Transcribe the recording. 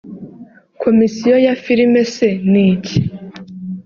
Komisiyo ya filime se ni iki